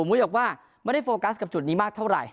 มูลยกว่าท่านไม่ได้โฟกัสกับจุดนี้มากเท่าไร